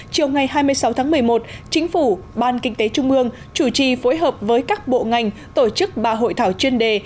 chiều ngày hai mươi sáu tháng một mươi một chính phủ ban kinh tế trung ương chủ trì phối hợp với các bộ ngành tổ chức ba hội thảo chuyên đề